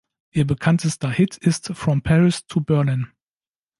Ihr bekanntester Hit ist "From Paris to Berlin".